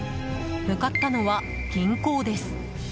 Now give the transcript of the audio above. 向かったのは銀行です。